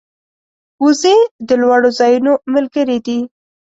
وزې د لوړو ځایونو ملګرې دي